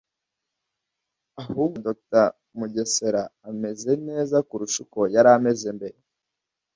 ahubwo risanga Dr Mugesera ameze neza kurusha uko yari ameze mbere